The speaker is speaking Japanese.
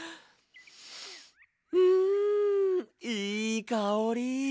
うんいいかおり！